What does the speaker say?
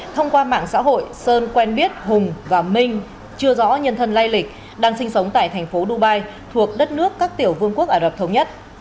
thông qua mạng xã hội sơn quen biết hùng và minh chưa rõ nhân thân lai lịch đang sinh sống tại thành phố dubai thuộc đất nước các tiểu vương quốc ả rập thống nhất